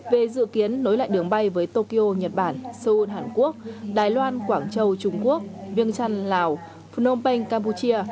về dự kiến nối lại đường bay với tokyo nhật bản seoul hàn quốc đài loan quảng châu trung quốc viêng trăn lào phnom penh campuchia